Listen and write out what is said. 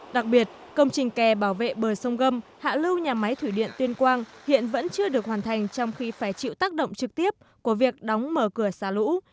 đặc biệt công trình kè bảo vệ bờ sông gâm hạ lưu nhà máy thủy điện tuyên quang hiện vẫn chưa được hoàn thành trong khi phải chịu tác động trực tiếp của việc đóng mở cửa xả lũ